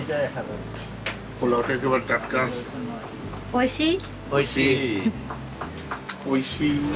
おいしい？